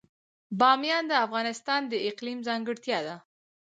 بامیان د افغانستان د اقلیم ځانګړتیا ده.